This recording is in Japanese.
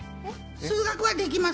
数学はできます。